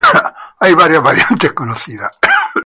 Hay varias variantes conocidas.